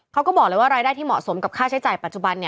เขาก็บอกเลยว่ารายได้ที่เหมาะสมกับค่าใช้จ่ายปัจจุบัน